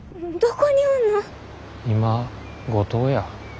今五島や。